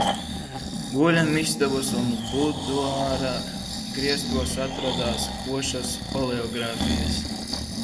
Guļamistabas un buduāra griestos atradās košas oleogrāfijas.